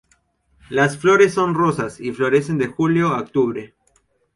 Las flores son rosas y florecen de julio a octubre.